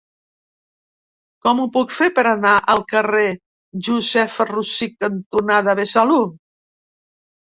Com ho puc fer per anar al carrer Josefa Rosich cantonada Besalú?